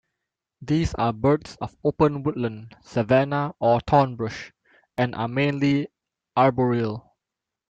These are birds of open woodland, savannah, or thornbrush, and are mainly arboreal.